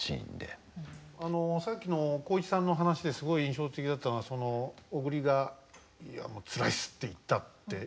あのさっきの浩市さんの話ですごい印象的だったのは小栗が「つらいっす」って言ったって。